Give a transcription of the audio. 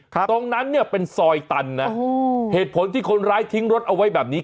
ตรงนั้นเนี่ยเป็นซอยตันนะโอ้เหตุผลที่คนร้ายทิ้งรถเอาไว้แบบนี้